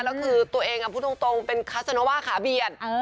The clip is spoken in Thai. แล้วคือตัวเองพูดตรงเป็นคัสโนว่าขาเบียด